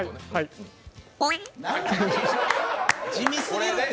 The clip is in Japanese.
地味すぎるて！